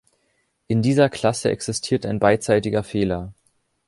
In dieser Klasse existiert ein beidseitiger Fehler.